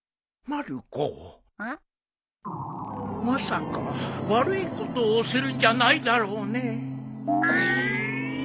まさか悪いことをするんじゃないだろうね？